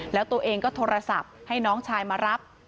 แล้วตัวเองก็โทรศัพท์ให้น้องชายมารับ